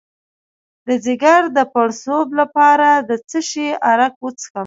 د ځیګر د پړسوب لپاره د څه شي عرق وڅښم؟